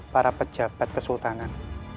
para pejabat kesultanan